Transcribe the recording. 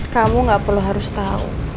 kamu gak perlu harus tahu